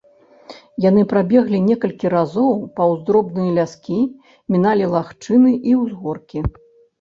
Яны прабеглі некалькі разоў паўз дробныя ляскі, міналі лагчыны і ўзгоркі.